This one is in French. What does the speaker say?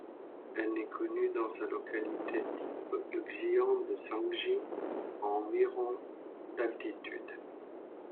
Elle n'est connue dans sa localité type, le xian de Shangsi, à environ d'altitude.